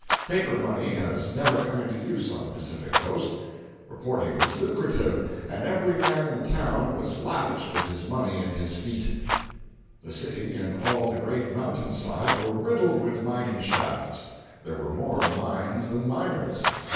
[Paper money has never come into use on the Pacific coast.] Reporting was lucrative, and every man in the town was lavish with his money and his "feet." The city and all the great mountain side were riddled with mining shafts. There were more mines than miners.